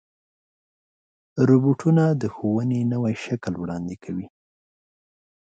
روبوټونه د ښوونې نوی شکل وړاندې کوي.